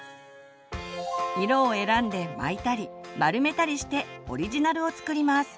色を選んで巻いたり丸めたりしてオリジナルを作ります。